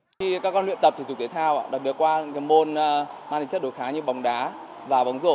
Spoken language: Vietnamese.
khi các con luyện tập thể dục thể thao đặc biệt qua môn mang tính chất đồ khá như bóng đá và bóng rổ